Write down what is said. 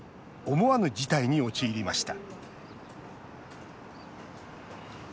思わぬ事態に陥りました。